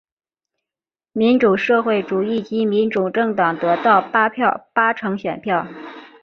民主社会主义及民主政党得到八成选票。